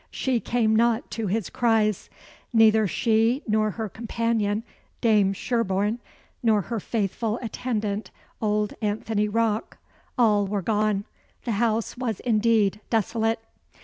She came not to his cries neither she nor her companion, Dame Sherborne, nor her faithful attendant old Anthony Rocke. All were gone. The house was indeed desolate.